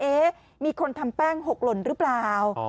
มีคนทำแป้งหกหล่นหรือเปล่า